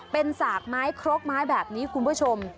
เป็นสากไม้ครกไม้แบบนี้คุณผู้ชม